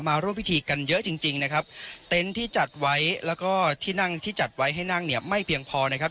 มาร่วมพิธีกันเยอะจริงจริงนะครับเต็นต์ที่จัดไว้แล้วก็ที่นั่งที่จัดไว้ให้นั่งเนี่ยไม่เพียงพอนะครับ